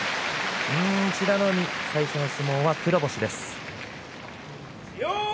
美ノ海、最初の相撲は黒星です。